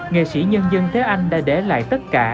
nghệ sĩ nhân dân thế anh đã để lại tất cả